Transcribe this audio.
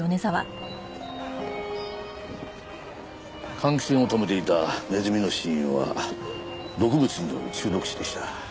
換気扇を止めていたネズミの死因は毒物による中毒死でした。